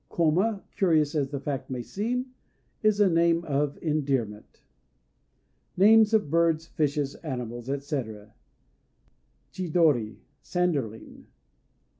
Koma, curious as the fact may seem, is a name of endearment. NAMES OF BIRDS, FISHES, ANIMALS, ETC. Chidori "Sanderling."